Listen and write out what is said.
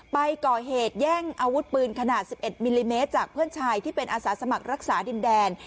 ไปก่อเหตุแย่งอาวุธปืนขนาด๑๑มิลลิเมตรจากเพื่อนชายที่เป็นอาสาสมัครรักษาดินแดน